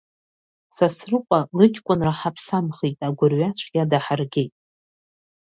Сасрыҟәа лыҷкәынра ҳаԥсамхеит, агәырҩацәгьа даҳаргеит.